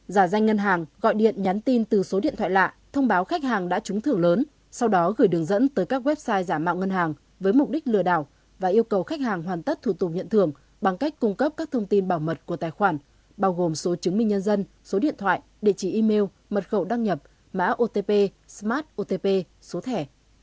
một giả danh ngân hàng gọi điện nhắn tin từ số điện thoại lạ thông báo khách hàng đã trúng thưởng lớn sau đó gửi đường dẫn tới các website giả mạo ngân hàng với mục đích lừa đảo và yêu cầu khách hàng hoàn tất thủ tục nhận thưởng bằng cách cung cấp các thông tin bảo mật của tài khoản bao gồm số chứng minh nhân dân số điện thoại địa chỉ email mật khẩu đăng nhập mã otp smart otp số thẻ